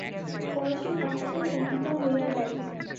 পরেশের কণ্ঠস্বর কম্পিত হইয়া গেল।